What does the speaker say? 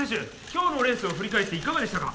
今日のレースを振り返っていかがでしたか？